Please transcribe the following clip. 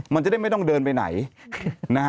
มันจะได้ไม่ต้องเดินไปไหนนะฮะ